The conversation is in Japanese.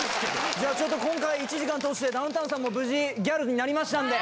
じゃあちょっと今回１時間通してダウンタウンさんも無事ギャルになりましたんで。